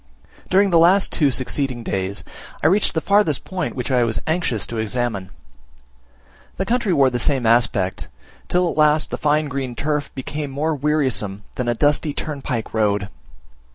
During the two succeeding days, I reached the furthest point which I was anxious to examine. The country wore the same aspect, till at last the fine green turf became more wearisome than a dusty turnpike road.